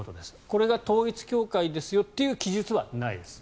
これが統一教会ですよという記述はないです。